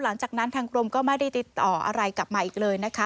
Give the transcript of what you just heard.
หลังจากนั้นทางกรมก็ไม่ได้ติดต่ออะไรกลับมาอีกเลยนะคะ